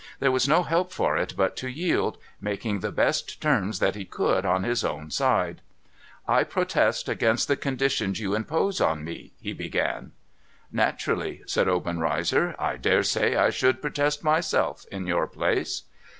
There was no help for it but to yield, making the best terms that he could on his own side. * I protest against the conditions you impose on me,' he began. * Naturally,' said Obenreizer ;' I dare say I should protest, my self, in your place.'